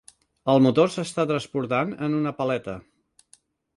El motor s'està transportant en una paleta.